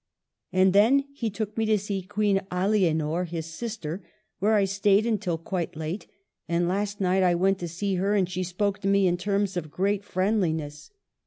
And then he took me to see Queen Alyenor, his sister, where I stayed until quite late ; and last night I went to see her, and she spoke to me in terms of great friendliness.